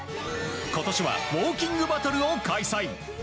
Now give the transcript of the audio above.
今年はウォーキングバトルを開催。